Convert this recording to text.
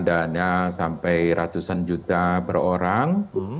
ada sampai ratusan juta berorang